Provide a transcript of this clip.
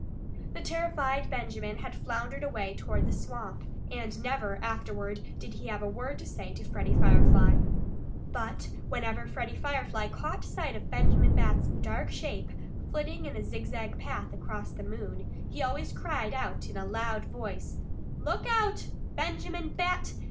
The terrified Benjamin had floundered away toward the swamp. And never, afterward, did he have a word to say to Freddie Firefly. But whenever Freddie Firefly caught sight of Benjamin Bat's dark shape, flitting in a zigzag path across the moon, he always cried out in a loud voice: "Look out, Benjamin Bat!